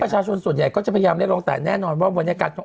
ประชาชนส่วนใหญ่ก็จะพยายามได้ลงแต่แน่นอนว่าวันนี้การ